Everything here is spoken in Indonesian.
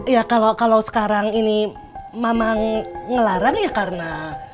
ya kalau sekarang ini memang ngelarang ya karena